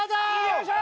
よいしょ！